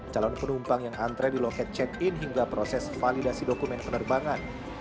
calon penumpang yang antre di loket check in hingga proses validasi dokumen penerbangan